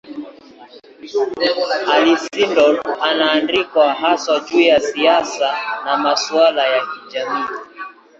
Alcindor anaandikwa haswa juu ya siasa na masuala ya kijamii.